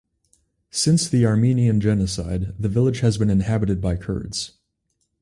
Since the Armenian genocide the village has been inhabited by Kurds.